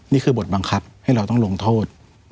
นี่คือบทบังคับให้เราต้องลงโทษ